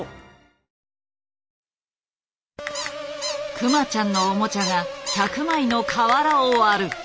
クマちゃんのオモチャが１００枚の瓦を割る。